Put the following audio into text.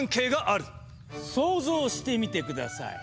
想像してみて下さい。